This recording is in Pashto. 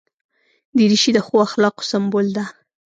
دریشي د ښو اخلاقو سمبول ده.